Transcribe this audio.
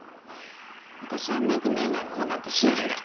私は目に見えないものなんて信じない。